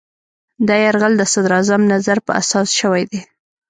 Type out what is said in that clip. دا یرغل د صدراعظم نظر په اساس شوی دی.